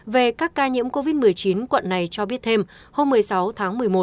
về các ca nhiễm covid một mươi chín quận này cho biết thêm hôm một mươi sáu tháng một mươi một